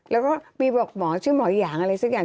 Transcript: แล้วก็มีบอกหมอชื่อหมอหยางอะไรสักอย่าง